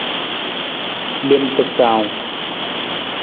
Lem pasaawung.